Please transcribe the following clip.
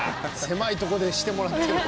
狭いとこでしてもらってる。